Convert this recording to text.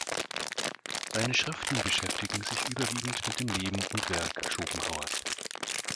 Seine Schriften beschäftigen sich überwiegend mit dem Leben und Werk Schopenhauers.